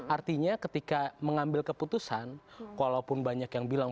artinya ketika mengambil keputusan walaupun banyak yang bilang